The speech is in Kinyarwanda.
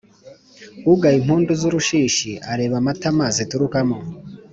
Ugaya impundu z’urushishi, areba amatama ziturukamo.